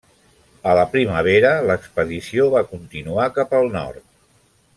A la primavera, l'expedició va continuar cap al nord.